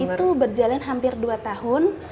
itu berjalan hampir dua tahun